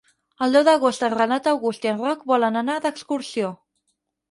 El deu d'agost en Renat August i en Roc volen anar d'excursió.